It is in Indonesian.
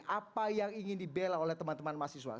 apa yang ingin dibela oleh teman teman mahasiswa